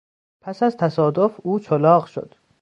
پس از تصادف او چلاق شد.